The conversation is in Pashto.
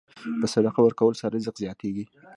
په صدقه ورکولو سره رزق زیاتېږي.